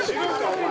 お前。